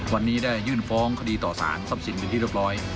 วันนี้ได้ยื่นฟ้องคดีต่อสารทรัพย์สินเป็นที่เรียบร้อย